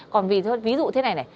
còn ví dụ thế này này